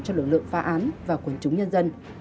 cho lực lượng phá án và quần chúng nhân dân